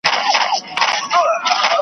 پلمې نه غواړي څېرلو ته د وریانو .